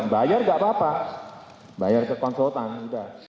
bayar enggak apa apa bayar ke konsultan sudah